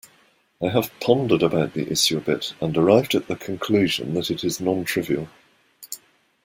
I have pondered about the issue a bit and arrived at the conclusion that it is non-trivial.